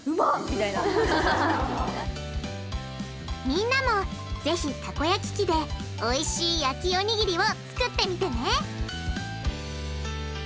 みんなもぜひたこ焼き器でおいしい焼きおにぎりを作ってみてね！